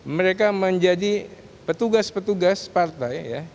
mereka menjadi petugas petugas partai ya